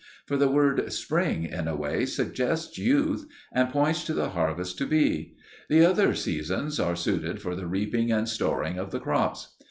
For the word "spring" in a way suggests youth, and points to the harvest to be: the other seasons are suited for the reaping and storing of the crops.